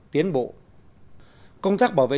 tiến bộ công tác bảo vệ